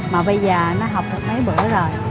mà bây giờ nó học một mấy bữa rồi